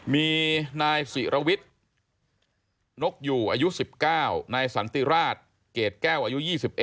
มีนายศิรวิทย์นกอยู่อายุ๑๙นายสันติราชเกรดแก้วอายุ๒๑